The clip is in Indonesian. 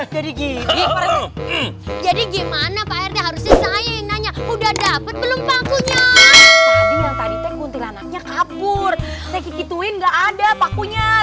jadi gimana harusnya saya yang nanya udah dapet belum pakunya